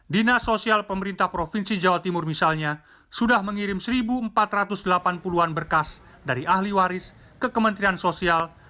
dina sosial pemerintah provinsi jawa timur misalnya sudah mengirim satu empat ratus delapan puluh an berkas dari ahli waris ke kementerian sosial